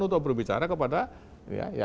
untuk berbicara kepada ya